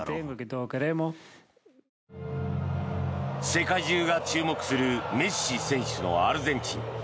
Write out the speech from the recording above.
世界中が注目するメッシ選手のアルゼンチン。